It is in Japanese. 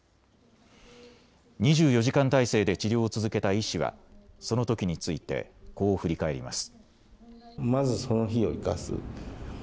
２４時間体制で治療を続けた医師はそのときについてこう振り返ります。